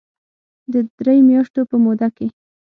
د درې مياشتو په موده کې